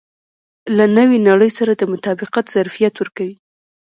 له نوې نړۍ سره د مطابقت ظرفیت ورکوي.